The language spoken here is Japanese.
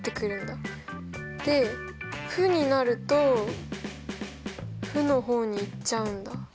で負になると負の方に行っちゃうんだ。